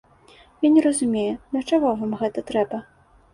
Я не разумею, для чаго вам гэта трэба.